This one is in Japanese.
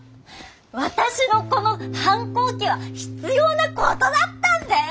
私のこの反抗期は必要なことだったんだよ！